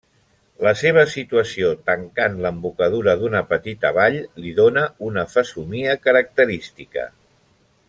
La seva situació tancant l'embocadura d'una petita vall li dóna una fesomia característica.